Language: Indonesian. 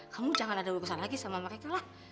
kamu jangan ada urusan lagi sama mereka lah